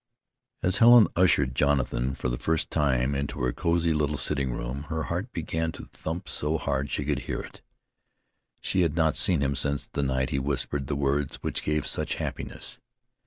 As Helen ushered Jonathan, for the first time, into her cosy little sitting room, her heart began to thump so hard she could hear it. She had not seen him since the night he whispered the words which gave such happiness.